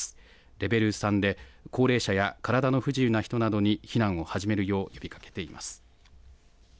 レベル３で、高齢者や体の不自由な人などに避難を始めるよう呼びかけています。